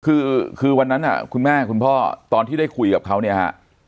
คือคือวันนั้นคุณแม่คุณพ่อตอนที่ได้คุยกับเขาเนี่ยฮะ